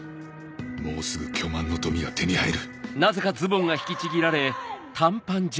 もうすぐ巨万の富が手に入る